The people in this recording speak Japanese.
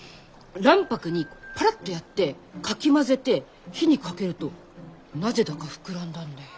卵白にパラッとやってかき混ぜて火にかけるとなぜだか膨らんだんだよ。